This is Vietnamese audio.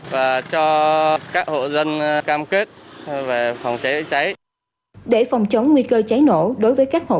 và cho các hộ dân cam kết về phòng cháy cháy để phòng chống nguy cơ cháy nổ đối với các phòng